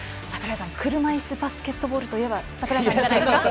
車いすバスケットボールといえば櫻井さんじゃないですか？